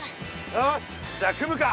よしじゃあ組むか。